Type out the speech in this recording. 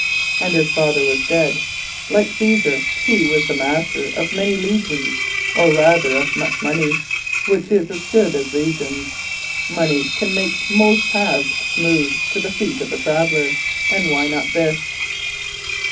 And his father was dead. Like Caesar, he was the master of many legions, or rather of much money, which is as good as legions. Money can make most paths smooth to the feet of the traveller, and why not this?